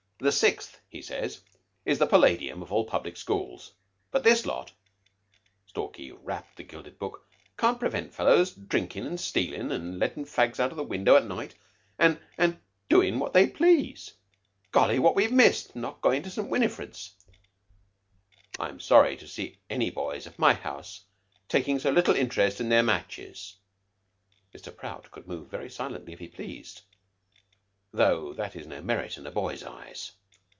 'The Sixth,' he says, 'is the palladium of all public schools.' But this lot " Stalky rapped the gilded book "can't prevent fellows drinkin' and stealin', an' lettin' fags out of window at night, an' an' doin' what they please. Golly, what we've missed not goin' to St. Winifred's!..." "I'm sorry to see any boys of my house taking so little interest in their matches." Mr. Prout could move very silently if he pleased, though that is no merit in a boy's eyes.